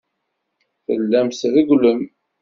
Tellamt trewwlemt.